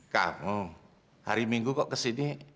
kamu hari minggu kok kesini